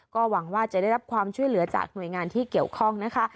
ก็หวังว่าจะได้รับความช่วยเหลือจากหน่วยงานที่เกี่ยวข้องนะคะ